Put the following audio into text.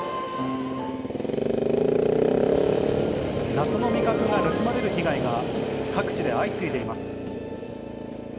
夏の味覚が盗まれる被害が各地で相次いでいます。